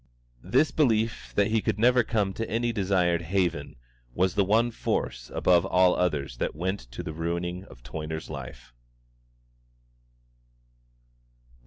This belief that he could never come to any desired haven was the one force above all others that went to the ruining of Toyner's life.